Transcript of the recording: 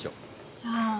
さあ。